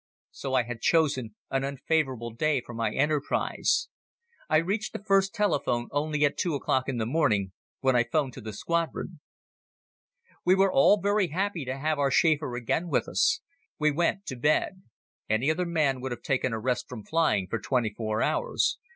So I had chosen an unfavorable day for my enterprise. I reached the first telephone only at two o'clock in the morning when I 'phoned to the Squadron." We were all very happy to have our Schäfer again with us. He went to bed. Any other man would have taken a rest from flying for twenty four hours.